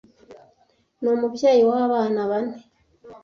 ni umubyeyi w’abana bane